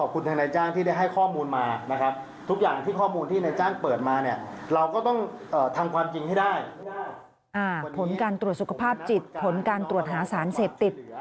ผลการตรวจสุขภาพจิตผลการตรวจหาสารเสพติด